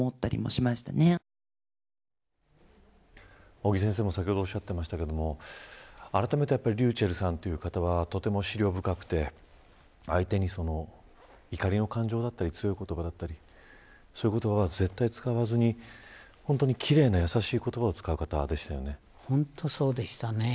尾木先生も先ほどおっしゃってましたがあらためてｒｙｕｃｈｅｌｌさんという方はとても思慮深くて相手に怒りの感情だったり強い言葉だったりそういったことは絶対に使わずに奇麗な優しい言葉を本当にそうですね。